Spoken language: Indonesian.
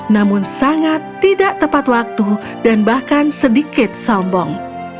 namun sangat tidak tepat waktu dan bahkan sedikit sombong